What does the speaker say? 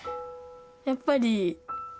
やっぱり。